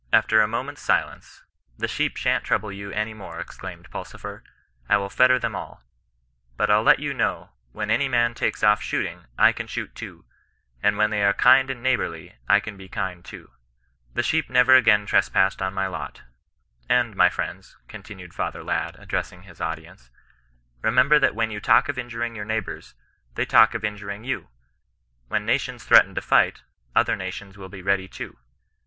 "After a moment's silence —* The sheep shan't trouble you any more !' exclaimed Pulsifer; * I will fetter them all. But I'll let you know, when any man talks of shoot ing, I can shoot too; and "wheii tVife^ ^x^VYSi^^^xA^^'^ 10(5 CURISTIAN NON RESISTANCE. bourly, I can be kind too.' The sheep never again tres Eassed on my lot. And, my friends (continued Father add, addressing his audience), remember that when you talk of injuring your neighbours, they talk of in juring you. When nations threaten to fight, other nations will be ready too.